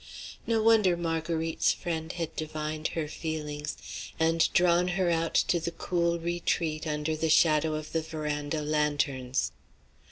No wonder Marguerite's friend had divined her feelings, and drawn her out to the cool retreat under the shadow of the veranda lanterns.